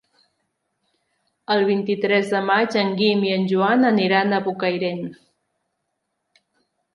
El vint-i-tres de maig en Guim i en Joan aniran a Bocairent.